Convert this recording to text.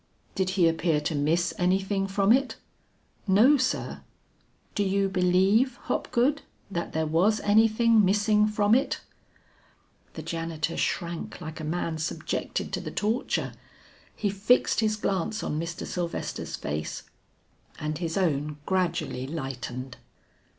"Did he appear to miss anything from it?" "No, sir." "Do you believe, Hopgood, that there was anything missing from it?" The janitor shrank like a man subjected to the torture. He fixed his glance on Mr. Sylvester's face and his own gradually lightened.